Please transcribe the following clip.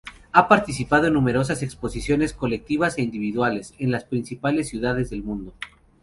Ha participado en numerosas exposiciones, colectivas e individuales, en las principales ciudades del mundo.